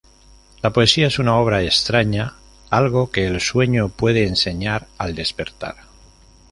La poesía es una obra extraña, algo que el sueño puede enseñar al despertar.